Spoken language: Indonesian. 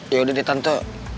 yaudah deh tante